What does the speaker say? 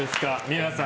皆さん。